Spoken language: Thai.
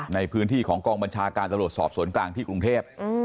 ในพื้นที่ของกองบัญชาการตำรวจสอบสวนกลางที่กรุงเทพ